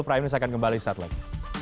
prime news akan kembali setelah ini